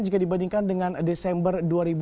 jika dibandingkan dengan desember dua ribu enam belas